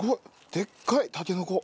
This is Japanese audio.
でっかいたけのこ。